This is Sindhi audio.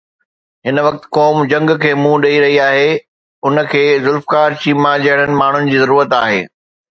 هن وقت قوم جنگ کي منهن ڏئي رهي آهي، ان کي ذوالفقار چيما جهڙن ماڻهن جي ضرورت آهي.